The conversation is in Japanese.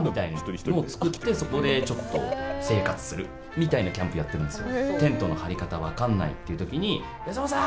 みたいなキャンプやってるんです。